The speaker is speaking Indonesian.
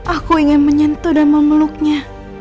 aku ingin menyentuh dan memeluknya